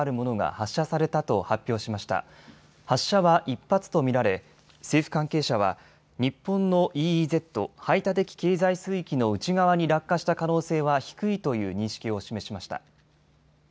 発射は１発と見られ政府関係者は日本のＥＥＺ・排他的経済水域の内側に落下した可能性は低いという認識を示しました。